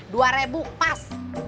dua rebu pas